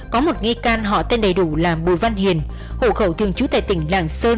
có một nghi can họ tên đầy đủ là bùi văn hiền hậu khẩu thường trúng tại tỉnh lạc sơn